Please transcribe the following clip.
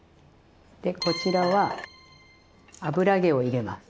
でこちらは油揚げを入れます。